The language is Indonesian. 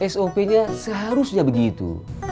sop nya seharusnya begitu